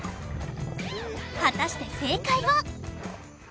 果たして正解は？